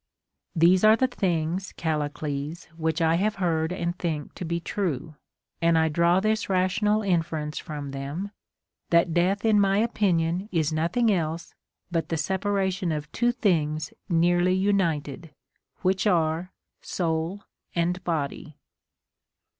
These are the things, Callicles, which I have heard and think to be true ; and I draw this rational inference from them, that CONSOLATION TO APOLLONIUS. 339 death in my opinion is nothing else but the separation of two things nearly united, which are soul and body."